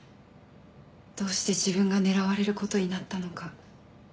どうして自分が狙われる事になったのか。